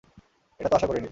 এটা তো আশা করিনি।